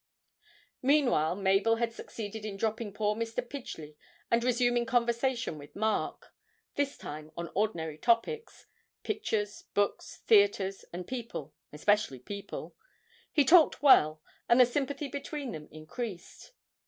Meanwhile Mabel had succeeded in dropping poor Mr. Pidgely and resuming conversation with Mark; this time on ordinary topics pictures, books, theatres, and people (especially people); he talked well, and the sympathy between them increased.